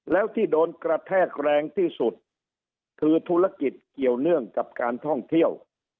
แล้วที่โดนกระแทกแรงที่สุดคือธุรกิจเกี่ยวเนื่องกับการท่องเที่ยว